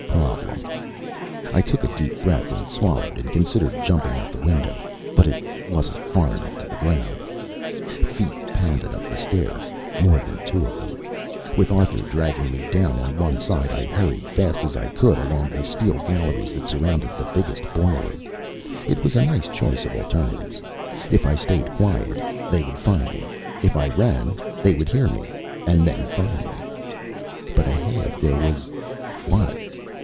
Problem. I took a deep breath and swallowed and considered jumping out the window. But it wasn't far enough to the ground. Feet pounded up the stairs, more than two of them. With Arthur dragging me down on one side, I hurried, fast as I could, along the steel galleries that surrounded the biggest boiler. It was a nice choice of alternatives if I stayed quiet, they would find me; if I ran, they would hear me, and then find me. But ahead there was what?